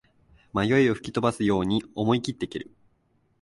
迷いを吹き飛ばすように思いきって蹴る